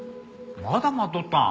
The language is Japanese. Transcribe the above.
まだ待っとったん？